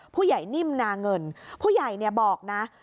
ผู้ใหญ่นิ่มนาเงินผู้ใหญ่บอกนะ